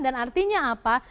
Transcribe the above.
dan artinya apa